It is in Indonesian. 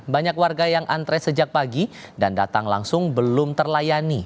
banyak warga yang antre sejak pagi dan datang langsung belum terlayani